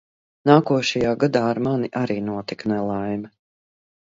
Nākošajā gadā ar mani arī notika nelaime.